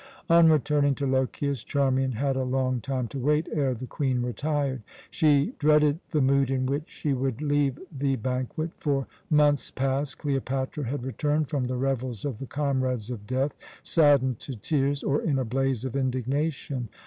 On returning to Lochias, Charmian had a long time to wait ere the Queen retired. She dreaded the mood in which she would leave the banquet. For months past Cleopatra had returned from the revels of the "Comrades of Death" saddened to tears, or in a blaze of indignation.